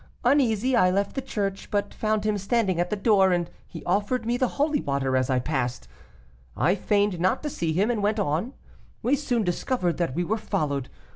Uneasy, I left the church, but found him standing at the door and he offered to me the holy water as I passed. I feigned not to see him, and went on. We soon discovered that we were followed.